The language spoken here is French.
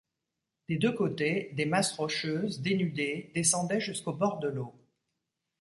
Des deux côtés, des masses rocheuses, dénudées, descendaient jusqu'au bord de l'eau.